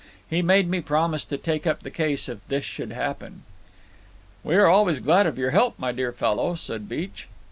He made me promise to take up the case if this should happen." "We are always glad of your help, my dear fellow," said Beech.